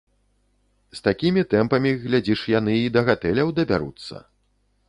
З такімі тэмпамі, глядзіш, яны і да гатэляў дабяруцца.